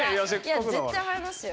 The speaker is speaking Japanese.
いや絶対映えますよ。